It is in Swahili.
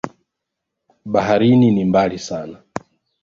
Baharini ni mbali sana.